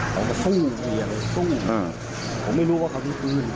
ผมก็สู้เหมือนสู้ผมไม่รู้ว่าเค้ามีปืน